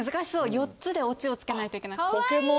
４つでオチをつけないといけない。